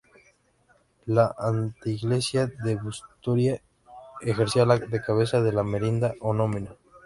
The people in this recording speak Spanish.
La anteiglesia de Busturia ejercía de "cabeza" de la merindad homónima.